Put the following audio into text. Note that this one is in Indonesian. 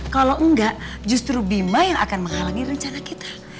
kalau enggak justru bima yang akan menghalangi rencana kita